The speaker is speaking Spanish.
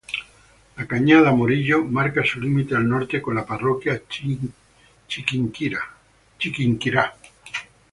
La cañada Morillo marca su límite al norte con la parroquia Chiquinquirá.